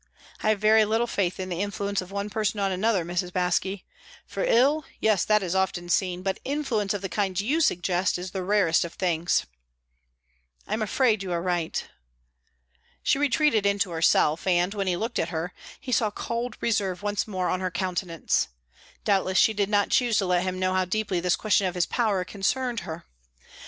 "I have very little faith in the influence of one person on another, Mrs. Baske. For ill yes, that is often seen; but influence of the kind you suggest is the rarest of things." "I'm afraid you are right." She retreated into herself, and, when he looked at her, he saw cold reserve once more on her countenance. Doubtless she did not choose to let him know how deeply this question of his power concerned her.